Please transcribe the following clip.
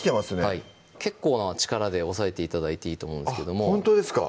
はい結構な力で押さえて頂いていいと思うんですけどもほんとですか？